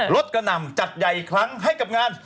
กระหน่ำจัดใหญ่อีกครั้งให้กับงาน